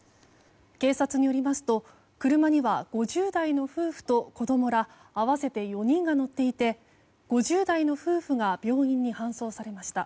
警察によりますと、車には５０代の夫婦と子供ら合わせて４人が乗っていて５０代の夫婦が病院に搬送されました。